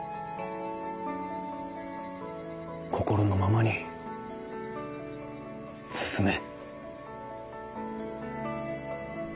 心のままに進め。